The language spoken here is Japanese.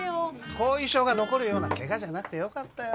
後遺症が残るようなケガじゃなくてよかったよ